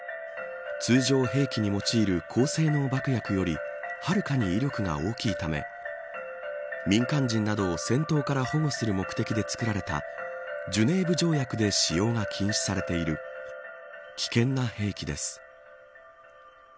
通常、兵器に用いる高性能爆薬よりはるかに威力が大きいため民間人などを戦闘から保護する目的でつくられたジュネーブ条約で使用が禁止されている危険な兵器です。